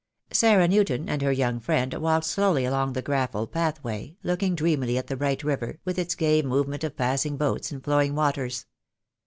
Sarah Newton and her young friend walked slowly along the gravel pathway, looking dreamily at the bright river, with its gay movement of passing boats and flowing waters.